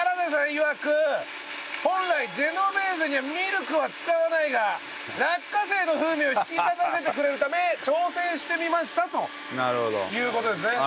いわく本来ジェノベーゼにはミルクは使わないが落花生の風味を引き立たせてくれるため挑戦してみましたという事ですね。